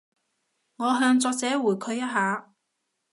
我向作者回饋一下